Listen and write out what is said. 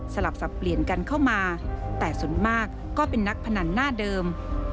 สลับสับเปลี่ยนกันเข้ามาแต่ส่วนมากก็เป็นนักพนันหน้าเดิม